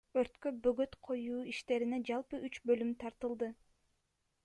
Өрткө бөгөт коюу иштерине жалпы үч бөлүм тартылды.